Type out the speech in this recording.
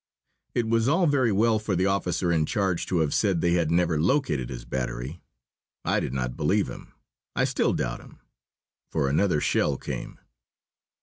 It was all very well for the officer in charge to have said they had never located his battery. I did not believe him. I still doubt him. For another shell came.